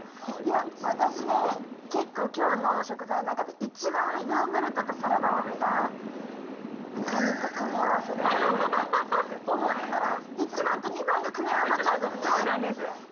いや、私ね、結構、きょうの食材の中で、一番、ヨーグルトとサラダ豆が何と組み合わせるんだろうと思ってたら、１番と２番が組み合わさっちゃうんですね？